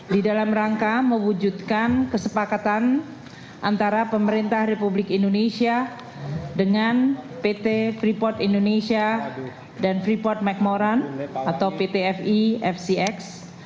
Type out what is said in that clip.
di dalam rangka mewujudkan kesepakatan antara pemerintah republik indonesia dengan pt freeport indonesia dan freeport mcmoran atau pt fi fcx